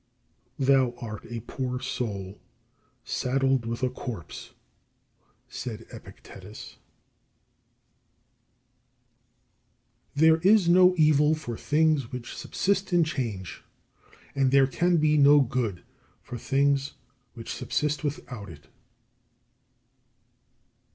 41. "Thou art a poor soul, saddled with a corpse," said Epictetus. 42. There is no evil for things which subsist in change; and there can be no good for things which subsist without it.